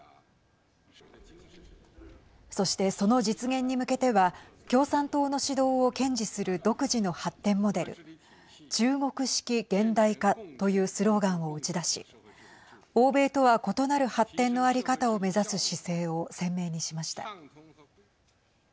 そして、その実現に向けては共産党の指導を堅持する独自の発展モデル中国式現代化というスローガンを打ち出し欧米とは異なる発展の在り方を目指す姿勢を鮮明にしました。